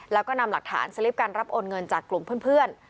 แล้วก็นำหลักฐานสลิปการรับโอนเงินจากกลุ่มเพื่อน